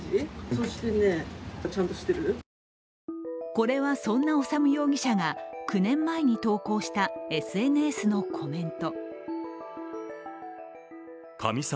これはそんな修容疑者が９年前に投稿したＳＮＳのコメント。